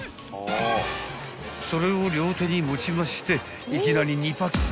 ［それを両手に持ちましていきなり２パック］